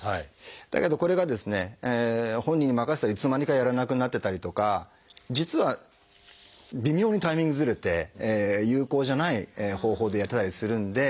本人にまかせたらいつの間にかやらなくなってたりとか実は微妙にタイミングずれて有効じゃない方法でやってたりするんで。